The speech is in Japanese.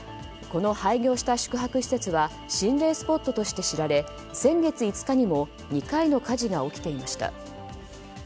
この廃業した宿泊施設は心霊スポットとして知られ先月５日にも２回の火事が起きていました。